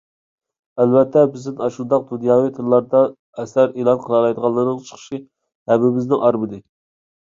ئەلۋەتتە، بىزدىن ئاشۇنداق دۇنياۋى تىللاردا ئەسەر ئېلان قىلالايدىغانلارنىڭ چىقىشى ھەممىمىزنىڭ ئارمىنى.